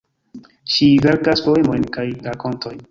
Ŝi verkas poemojn kaj rakontojn.